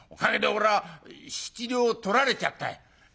「私は２２両取られちゃったい」。